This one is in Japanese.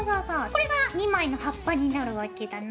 これが２枚の葉っぱになるわけだな。